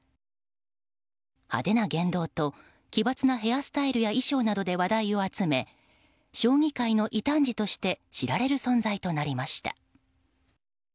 派手な言動と奇抜なヘアスタイルや衣装などで話題を集め将棋界の異端児として知られる存在となりました。